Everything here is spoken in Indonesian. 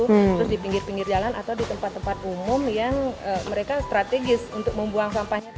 terus di pinggir pinggir jalan atau di tempat tempat umum yang mereka strategis untuk membuang sampahnya